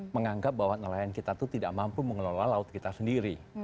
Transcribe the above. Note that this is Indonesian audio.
menganggap bahwa nelayan kita itu tidak mampu mengelola laut kita sendiri